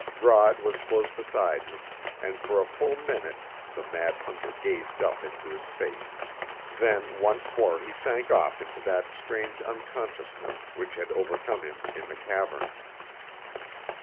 Rod was close beside him and for a full minute the mad hunter gazed up into his face, then once more he sank off into that strange unconsciousness which had overcome him in the cavern.